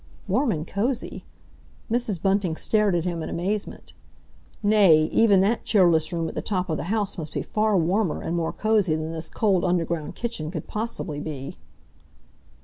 Warm and cosy? Mrs. Bunting stared at him in amazement. Nay, even that cheerless room at the top of the house must be far warmer and more cosy than this cold underground kitchen could possibly be.